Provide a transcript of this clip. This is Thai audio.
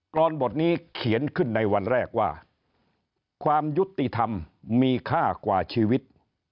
รอนบทนี้เขียนขึ้นในวันแรกว่าความยุติธรรมมีค่ากว่าชีวิต